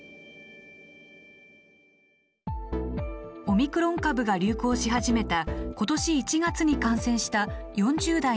オミクロン株が流行し始めた今年１月に感染した４０代の男性。